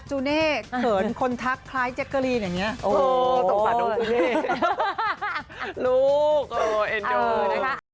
จูเน่เผินคนทักคล้ายเจ็ดเกอรีนอย่างเงี้ยโอ้โหสงสัยโน้ทจูเน่ลูกเอ่อเอ็นดูเออได้ค่ะ